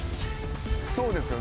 そうですよね。